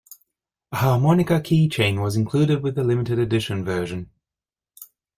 A harmonica keychain was included with the limited edition version.